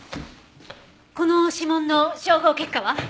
この指紋の照合結果は？